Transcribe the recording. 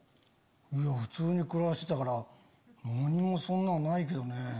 普通に暮らしてたから何もそんなのないけどね。